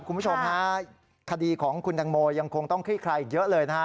คุณผู้ชมฮะคดีของคุณตังโมยังคงต้องคลี่คลายอีกเยอะเลยนะฮะ